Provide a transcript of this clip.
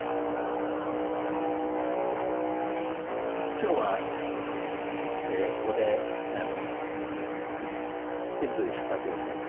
今日はここでテントで宿泊をしたいと。